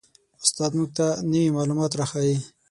استاد موږ ته نوي معلومات را ښیي